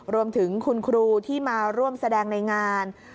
รวมถึงคุณครูที่มาร่วมแสดงในงาน